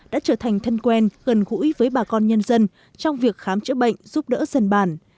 đã trở thành thân quen gần gũi với bà con nhân dân trong việc khám chữa bệnh giúp đỡ dân bản